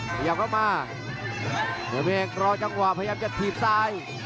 พยายามเข้ามาเดี๋ยวแม่งรอจังหว่าพยายามจะถีบซ้าย